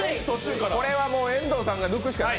これは遠藤さんが抜くしかない。